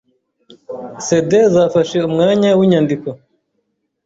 CD zafashe umwanya winyandiko.